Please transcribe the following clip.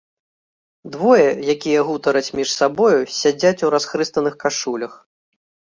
Двое, якія гутараць між сабою, сядзяць у расхрыстаных кашулях.